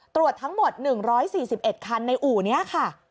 ตรวจทั้งหมด๑๔๑คันในอู่นี้ค่ะ